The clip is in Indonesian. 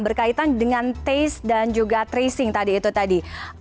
berkaitan dengan tes dan juga tracing tadi itu tadi